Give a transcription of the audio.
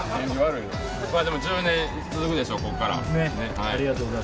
１０年続くでしょう、ここから。